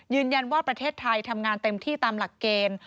ยืนยันว่าประเทศไทยทำงานเต็มที่ตามหลักเกณฑ์